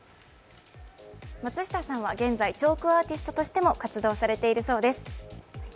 松下さんは現在、チョークアーティストとしても活動しているそうです。